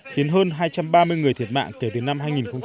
khiến hơn hai trăm ba mươi người thiệt mạng kể từ năm hai nghìn một mươi